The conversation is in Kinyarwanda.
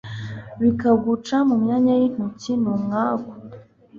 bikaguca mu myanya y'intoki. ni umwaku